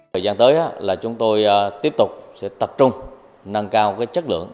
thời gian tới là chúng tôi tiếp tục sẽ tập trung nâng cao chất lượng